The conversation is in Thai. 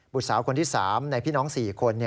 สาวคนที่๓ในพี่น้อง๔คน